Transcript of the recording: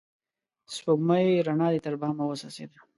سپوږمۍ روڼا دي تر بام وڅڅيده